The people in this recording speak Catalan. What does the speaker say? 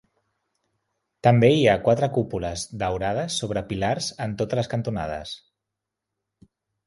També hi ha quatre cúpules daurades sobre pilars en totes les cantonades.